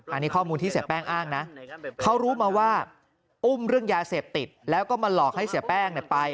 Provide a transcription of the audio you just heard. อันนี้ข้อมูลที่เสียแป้งอ้างนะเขารู้มาว่าอุ้มเรื่องยาเสพติดแล้วก็มาหลอกให้เสียแป้งไป